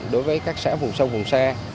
đối với các xã vùng sâu vùng xa